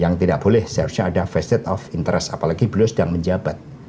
yang tidak boleh seharusnya ada vested of interest apalagi beliau sedang menjabat